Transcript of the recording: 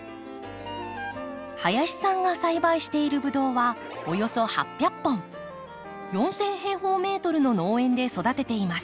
林さんが栽培しているブドウは４，０００平方メートルの農園で育てています。